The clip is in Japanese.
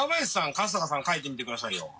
春日さんを描いてみてくださいよ。